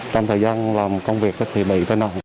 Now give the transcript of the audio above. trong thời gian làm công việc thì bị tên nồng